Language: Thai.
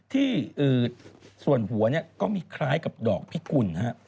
ที่ส่วนหัวเนี่ยก็มีคล้ายกับดอกพิกุล